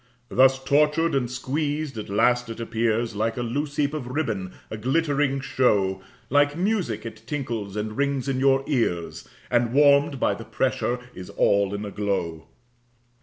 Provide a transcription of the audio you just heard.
Thus tortured and squeezed, at last it appears Like a loose heap of ribbon, a glittering show, Like music it tinkles and rings in your ears, And warm'd by the pressure is all in a glow.